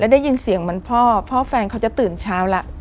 ได้ยินเสียงเหมือนพ่อพ่อแฟนเขาจะตื่นเช้าแล้ว